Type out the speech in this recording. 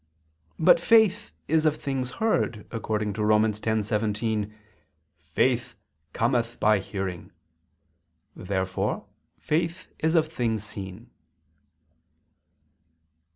But faith is of things heard, according to Rom. 10:17: "Faith ... cometh by hearing." Therefore faith is of things seen.